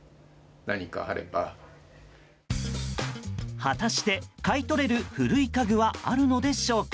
果たして、買い取れる古い家具はあるのでしょうか。